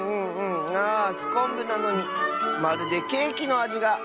あすこんぶなのにまるでケーキのあじが。